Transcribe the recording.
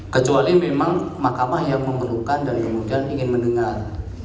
kecuali memang mahkamah yang memerlukan dan kemudian ingin mendengar